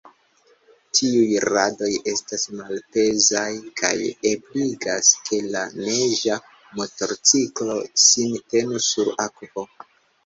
Tiuj radoj estas malpezaj kaj ebligas, ke la neĝa motorciklo sin tenu sur akvo.